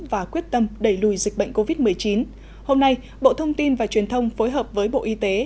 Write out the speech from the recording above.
và quyết tâm đẩy lùi dịch bệnh covid một mươi chín hôm nay bộ thông tin và truyền thông phối hợp với bộ y tế